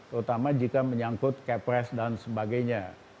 terutama jika menyangkut kepres dan sebagainya